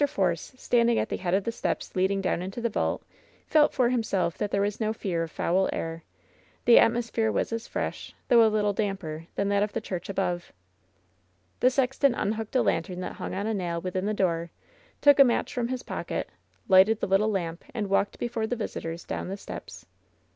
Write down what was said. Force, standing at the head of the steps leading LOVE'S BITTEREST CUP 825 down into the vault, felt for himself that there was no fear of foul air ; the atmosphere was as fresh, though a little damper, than that of the church above. , The sexton unhooked a lantern that hung on a nail within the door, took a match from his pocket, lighted the little lamp and walked before the visitors down the steps.